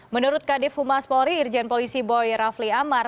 menurut kadif humas polri irjen polisi boy rafli amar